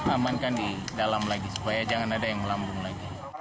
amankan di dalam lagi supaya jangan ada yang melambung lagi